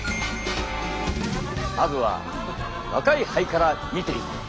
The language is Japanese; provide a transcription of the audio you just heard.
まずは若い肺から見ていこう。